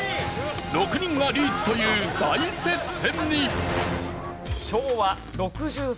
６人がリーチという大接戦に！